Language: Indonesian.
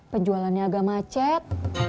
penjualannya agak macet